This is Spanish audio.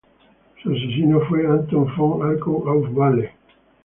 Su asesino fue Anton von Arco auf Valley.